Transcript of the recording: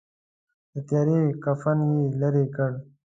د تیارې کفن یې لیري کړ.